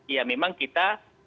ya memang kita harus memutuskan